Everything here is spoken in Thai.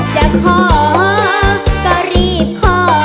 จะขอก็รีบขอ